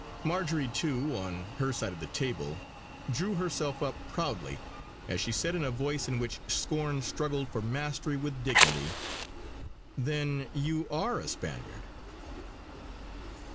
Marjory, too, on her side of the table drew herself up proudly as she said in a voice in which scorn struggled for mastery with dignity: "Then you are a Spaniard!"